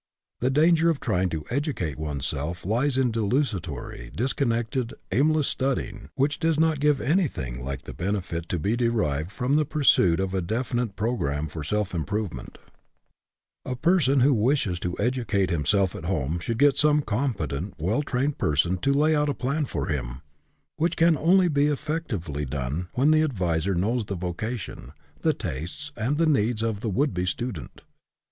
The danger of trying to educate oneself lies in desultory, disconnected, aimless studying which does not give anything like the benefit to be derived from the pursuit of a definite pro 36 EDUCATION BY ABSORPTION gramme for self improvement. A person who wishes to educate himself at home should get some competent, well trained person to lay out a plan for him, which can only be effectively done when the adviser knows the vocation, the tastes, and the needs of the would be student.